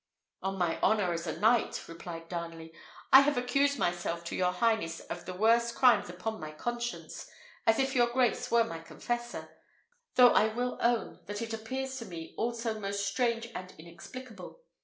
"On my honour as a knight," replied Darnley, "I have accused myself to your highness of the worst crimes upon my conscience, as if your grace were my confessor; though I will own that it appears to me also most strange and inexplicable.